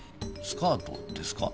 スカートですか？